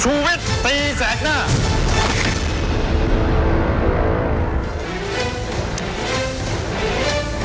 วิตตีแสกหน้า